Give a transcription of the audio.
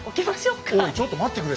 おいちょっと待ってくれ。